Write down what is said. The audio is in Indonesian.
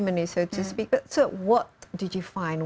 jadi apa yang anda temukan